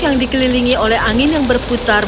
yang dikelilingi oleh angin yang berputar